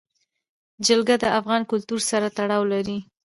جلګه د افغان کلتور سره تړاو لري.